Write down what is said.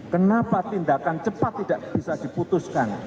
kenapa tindakan cepat tidak bisa diputuskan